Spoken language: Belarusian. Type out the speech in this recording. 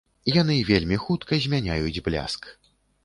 Яны вельмі хутка змяняюць бляск.